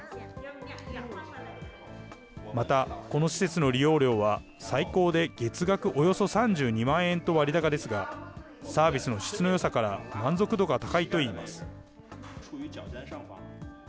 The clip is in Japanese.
また、この施設の利用料は最高で月額およそ３２万円と割高ですが、サービスの質のよさから満足度が高いといいます。